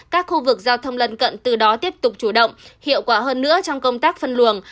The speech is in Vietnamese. các khu vực giao thông lân cận từ đó tiếp tục chủ động hiệu quả hơn nữa trong công tác phân luồng